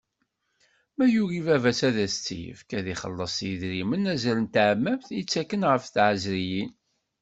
Ma yugi baba-s ad s-tt-ifk, ad ixelleṣ s yidrimen azal n teɛmamt i ttaken ɣef tɛezriyin.